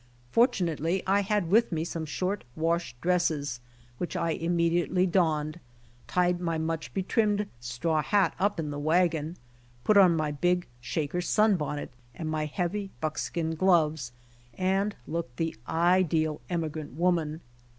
Fortunately I had with me some short wash dresses which I immed iately donned, tied my much betrimmed straw hat up in the wagon, put on my big shaker sun bonnet and my heavy buckskin gloves, and looked the ideal emigrant woman.